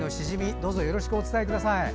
どうぞよろしくお伝えください。